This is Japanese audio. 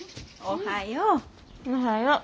おはよう。